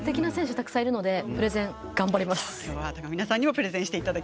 たくさんいるのでプレゼン頑張ります。